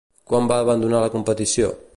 Quan va abandonar la competició?